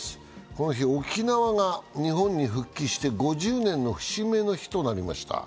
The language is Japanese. この日、沖縄が日本に復帰して５０年の節目の日となりました。